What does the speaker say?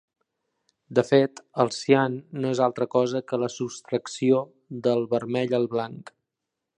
De fet, el cian no és altra cosa que la sostracció del vermell al blanc.